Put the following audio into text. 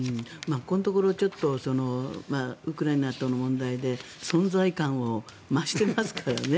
ここのところちょっとウクライナとの問題で存在感を増していますからね。